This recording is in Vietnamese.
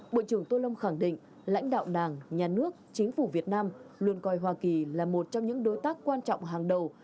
bộ trưởng tô lâm khẳng định lãnh đạo đảng nhà nước chính phủ việt nam luôn coi hoa kỳ là một trong những đối tác quan trọng hàng đầu